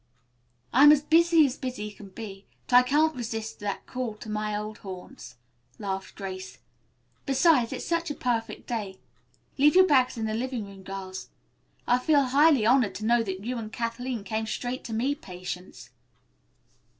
"I'm as busy as can be, but I can't resist the call to my old haunts," laughed Grace. "Besides, it's such a perfect day. Leave your bags in the living room, girls. I feel highly honored to know that you and Kathleen came straight to me, Patience."